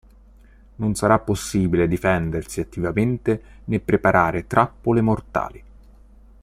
Non sarà possibile difendersi attivamente né preparare trappole mortali.